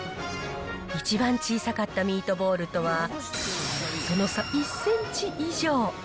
一番小さかったミートボールとは、その差１センチ以上。